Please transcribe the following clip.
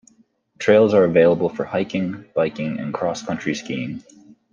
Trails are available for hiking, biking, and cross-country skiing.